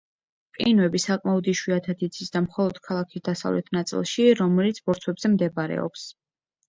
ყინვები საკმაოდ იშვიათად იცის და მხოლოდ ქალაქის დასავლეთ ნაწილში, რომელიც ბორცვებზე მდებარეობს.